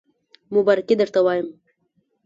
مبارکی درته وایم